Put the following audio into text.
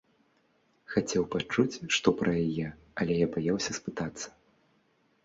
Хацеў пачуць што пра яе, але баяўся спытацца.